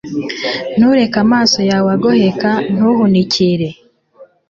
Ntureke amaso yawe agoheka Ntuhunikire